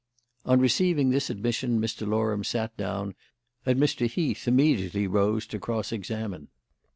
On receiving this admission Mr. Loram sat down, and Mr. Heath immediately rose to cross examine.